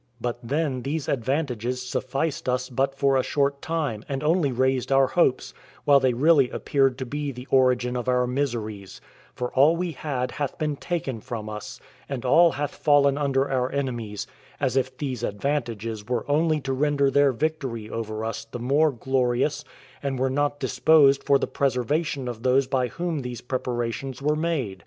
But then these advantages sufficed us but for a short time, and only raised our hopes, while they really appeared to be the origin of our miseries; for all we had hath been taken from us, and all hath fallen under our enemies, as if these advantages were only to render their victory over us the more glorious, and were not disposed for the preservation of those by whom these preparations were made.